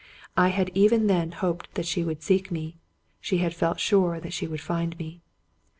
I had even then hoped that she would seek me; she had felt sure that she would find me.)